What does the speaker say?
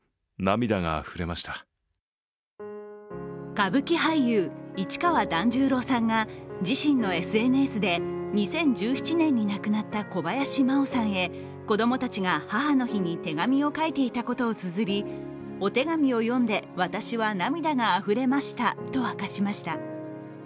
歌舞伎俳優・市川團十郎さんが自身のＳＮＳで２０１７年に亡くなった小林麻央さんへ子供たちが母の日に手紙を書いていたことをつづり、お手紙を読んで私は涙があふれましたと明かしました。